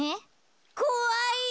こわい。